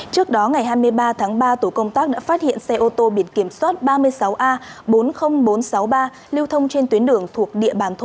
trước đó ngày hai mươi ba tháng ba tổ công tác đã phát hiện xe ô tô biển kiểm soát ba mươi sáu a bốn mươi nghìn bốn trăm sáu mươi ba lưu thông trên tuyến đường thuộc địa bàn thôn